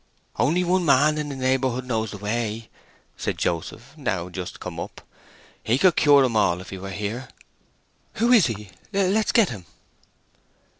"Only one man in the neighbourhood knows the way," said Joseph, now just come up. "He could cure 'em all if he were here." "Who is he? Let's get him!"